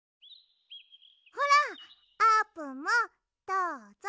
ほらあーぷんもどうぞ。